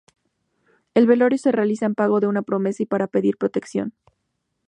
El velorio se realiza en pago de una promesa y para pedir protección.